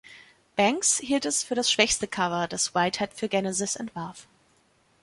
Banks hielt es für das schwächste Cover, das Whitehead für Genesis entwarf.